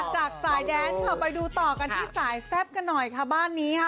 จากสายแดนค่ะไปดูต่อกันที่สายแซ่บกันหน่อยค่ะบ้านนี้ค่ะ